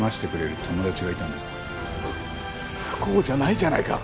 ハッ不幸じゃないじゃないか。